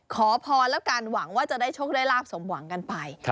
ขอพรแล้วกันหวังว่าจะได้โชคได้ลาบสมหวังกันไป